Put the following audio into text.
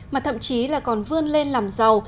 mà thậm chí là còn vươn lên làm giàu